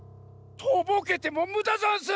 とぼけてもむだざんす！